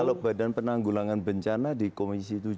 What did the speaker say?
kalau badan penanggulangan bencana di komisi tujuh